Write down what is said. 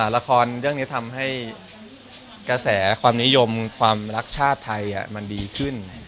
ละครเรื่องนี้ทำให้กระแสความนิยมความรักชาติไทยมันดีขึ้น